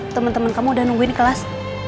teman teman kamu udah nungguin kelas